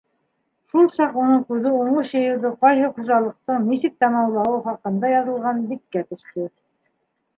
Шул саҡ уның күҙе уңыш йыйыуҙы ҡайһы хужалыҡтың нисек тамамлауы хаҡында яҙылған биткә төштө.